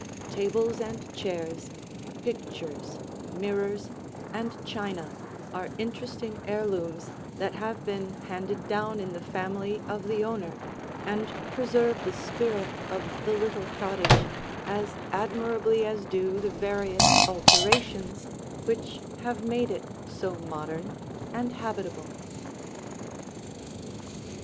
Tables and chairs, pictures, mirrors, and china are interesting heirlooms that have been handed down in the family of the owner and preserve the spirit of the little cottage as admirably as do the various alterations which have made it so modern and habitable.